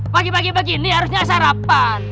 pagi pagi begini harusnya sarapan